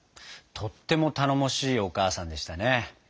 とっても頼もしいお母さんでしたね。